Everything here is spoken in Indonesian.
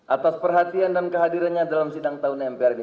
atas perhatian dan kehadirannya dalam sidang tahun mpr ini